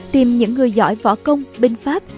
tìm những người giỏi võ công binh pháp